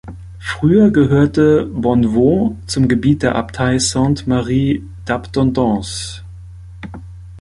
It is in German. Früher gehörte Bonnevaux zum Gebiet der Abtei Sainte-Marie-d’Abondance.